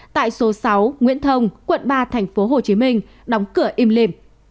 tại số sáu nguyễn thông quận ba tp hcm đóng cửa im lìm